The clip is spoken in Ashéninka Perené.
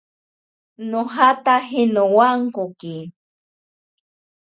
Nojataje nowankoki.